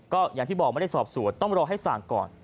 ก็อย่างที่บอกไม่ได้สอบสวนต้องรอให้สั่งก่อน